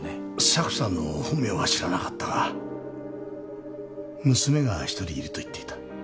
サクさんの本名は知らなかったが娘が１人いると言っていた。